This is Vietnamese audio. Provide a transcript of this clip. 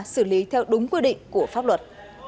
sử lý theo đúng quy định của pháp luật